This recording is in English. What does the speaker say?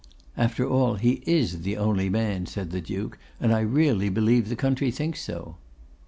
'After all he is the only man,' said the Duke; 'and I really believe the country thinks so.